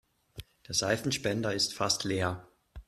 Der Seifenspender ist fast leer.